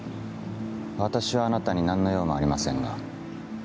私はあなたに何の用もありませんが。